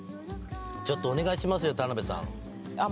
ちょっとお願いしますよ田辺さんあっ